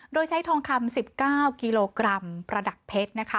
โดยใช้ทองคำ๑๙กิโลกรัมประดับเพชรนะคะ